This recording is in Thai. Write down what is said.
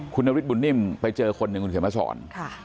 คุณนฤทธบุญนิ่มไปเจอคนหนึ่งคุณเขียนมาสอน